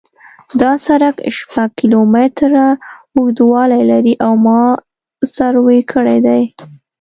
دا سرک شپږ کیلومتره اوږدوالی لري او ما سروې کړی دی